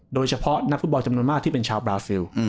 โดยเฉพาะนักฟุตบอลจำนวนมากที่เป็นชาวบราซิล